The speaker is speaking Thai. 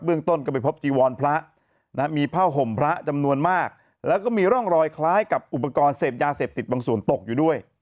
ต้นก็ไปพบจีวรพระมีผ้าห่มพระจำนวนมากแล้วก็มีร่องรอยคล้ายกับอุปกรณ์เสพยาเสพติดบางส่วนตกอยู่ด้วย